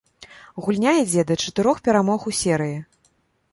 Гульня ідзе да чатырох перамог у серыі.